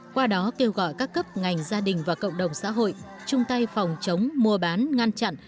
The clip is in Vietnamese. qua đó kêu gọi các cấp ngành gia đình và cộng đồng xã hội chung tay phòng chống mua bán ngăn chặn